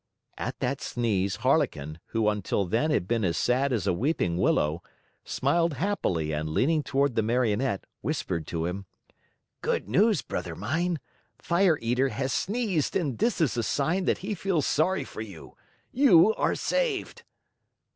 At that sneeze, Harlequin, who until then had been as sad as a weeping willow, smiled happily and leaning toward the Marionette, whispered to him: "Good news, brother mine! Fire Eater has sneezed and this is a sign that he feels sorry for you. You are saved!"